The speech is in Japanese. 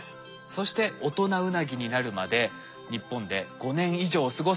そして大人ウナギになるまで日本で５年以上過ごすんですが。